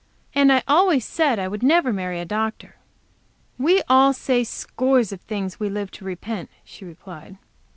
And I always said I would never marry a doctor." "We all say scores of things we live to repent," she replied.